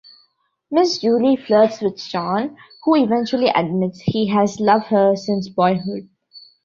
Miss Julie flirts with John, who eventually admits he has loved her since boyhood.